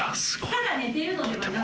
ただ寝ているのではなくて。